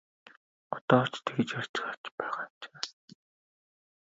Одоо ч тэгж ярьцгааж байгаа юм чинь!